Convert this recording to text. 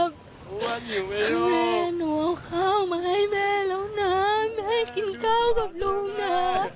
แม่หนูเอาข้าวมาให้แม่แล้วนะแม่กินข้าวกับลูกนะ